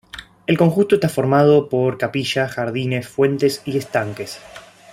El conjunto está formado por capillas, jardines, fuentes y estanques.